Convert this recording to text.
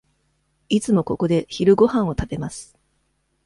いつもここで昼ごはんを食べます。